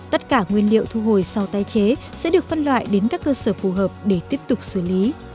tất cả nguyên liệu thu hồi sau tái chế sẽ được phân loại đến các cơ sở phù hợp để tiếp tục xử lý